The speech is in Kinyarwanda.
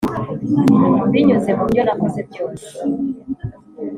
binyuze mubyo nakoze byose.